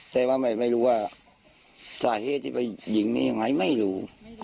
แต่ว่าไม่รู้ว่าสาเหตุที่ไปยิงนี่ยังไงไม่รู้